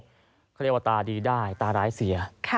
เขาเรียกว่าตาดีได้ตาร้ายเสีย